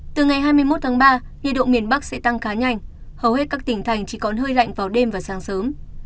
từ ngày hai mươi một tháng ba nhiệt độ miền bắc sẽ tăng khá nhanh hầu hết các tỉnh thành chỉ còn hơi lạnh vào đêm và sáng sớm